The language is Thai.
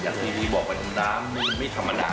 อย่างทีพี่บอกว่าน้ำนี่ไม่ธรรมานาน